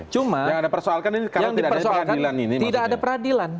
cuma yang dipersoalkan tidak ada peradilan